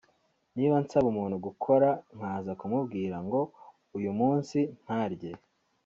niba nsaba umuntu gukora nkaza kumubwira ngo uyu munsi ntarye